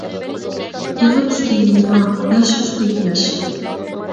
يىغا ئۈستىگە يىغا، ياش ئۈستىگە ياش.